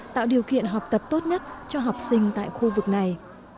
tạo điều kiện học tập tốt nhất cho học sinh tại khu vực này